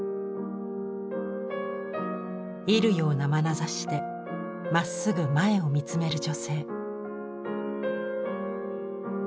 射るようなまなざしでまっすぐ前を見つめる女性。